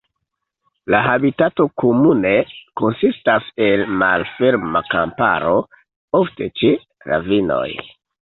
La habitato komune konsistas el malferma kamparo, ofte ĉe ravinoj.